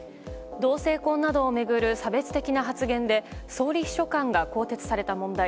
同性婚などを巡る差別的な発言で総理秘書官が更迭された問題。